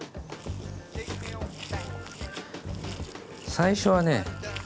最初はね